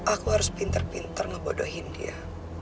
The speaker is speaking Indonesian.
aku harus pintar pintar ngebodohin dia